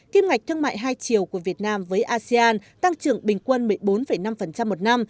kim ngạch thương mại hai chiều của việt nam với asean tăng trưởng bình quân một mươi bốn năm một năm